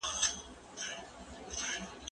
هغه څوک چي منډه وهي قوي کيږي؟!